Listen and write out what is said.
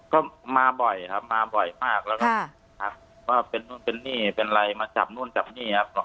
ก็มาบ่อยแล้วก็ถักหาเป็นโน้นเป็นนี่เป็นไรมาจับนู้นจับนี่ครับ